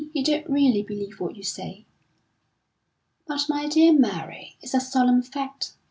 You don't really believe what you say." "But, my dear Mary, it's a solemn fact.